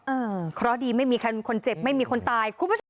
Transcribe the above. เออเพราะดีไม่มีคนเจ็บไม่มีคนตาย